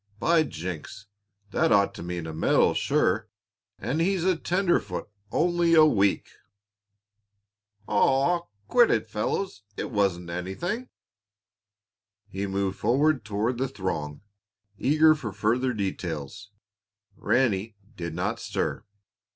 "By jinks! That ought to mean a medal, sure! And he a tenderfoot only a week!" [Illustration: "Aw, quit it, fellows! It wasn't anything"] He moved forward toward the throng, eager for further details. Ranny did not stir.